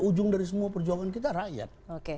ujung dari semua perjuangan kita rakyat